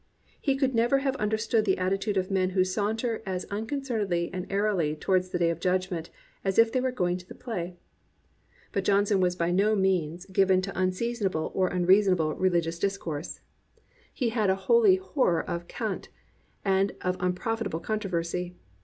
He could never have under stood the attitude of men who saunter as uncon cernedly and airily towards the day of judgment as if they were going to the play. But Johnson was by no means given to unseason 324 A STURDY BELIEVER able or unreasonable religious discourse. He had a holy horror of cant, and of unprofitable contro versy.